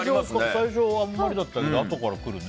最初あんまりだったけどあとから来るね。